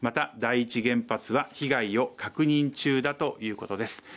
第１原発は、被害を確認中だということです。